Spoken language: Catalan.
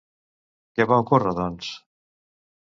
Què va ocórrer, doncs?